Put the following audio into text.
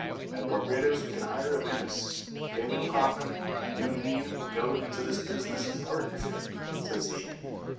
At Barbadoes we can hire a pinnace. Daniel Coffin, you and me will go into this business in partnership," says he.